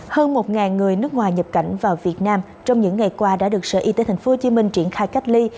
hơn một người nước ngoài nhập cảnh vào việt nam trong những ngày qua đã được sở y tế tp hcm triển khai cách ly